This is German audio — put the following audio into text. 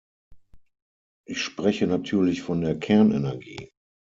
Ich spreche natürlich von der Kernenergie.